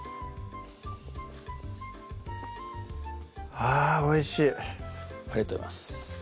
あぁおいしいありがとうございます